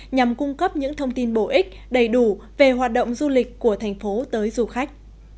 nhằm cung cấp những thông tin bổ ích đầy đủ về hoạt động du lịch của thành phố tới du khách